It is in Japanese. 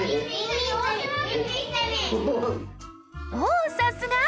おさすが！